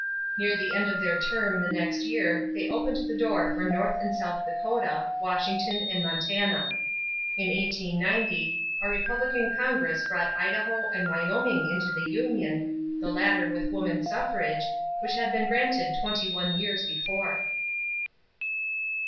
Near the end of their term the next year they opened the door for North and South Dakota, Washington, and Montana. In 1890, a Republican Congress brought Idaho and Wyoming into the union, the latter with woman suffrage, which had been granted twenty one years before.